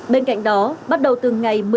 bên cạnh đó bắt đầu từ ngày một